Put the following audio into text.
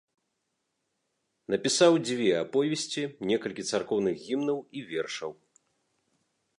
Напісаў дзве аповесці, некалькі царкоўных гімнаў і вершаў.